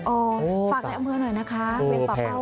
อ๋อฝากแดกเมืองหน่อยนะคะเวียงป่าเป้าค่ะ